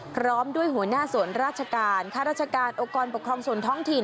พร้อมด้วยหัวหน้าส่วนราชการค่าราชการองค์กรปกครองส่วนท้องถิ่น